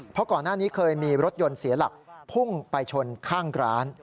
เพราะก่อนหน้านี้เคยมีรถยนต์เสียหลักพุ่งไปชนข้างร้าน